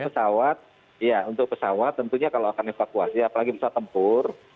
pesawat ya untuk pesawat tentunya kalau akan evakuasi apalagi pesawat tempur